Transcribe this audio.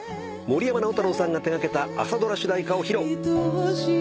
森山直太朗さんが手掛けた朝ドラ主題歌を披露。